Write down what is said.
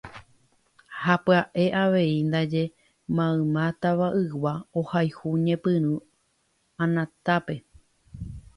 ha pya'e avei ndaje mayma Tava'igua ohayhu ñepyrũ Anatápe